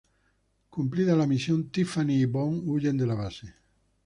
Cumplida la misión Tiffany y Bond huyen de la base.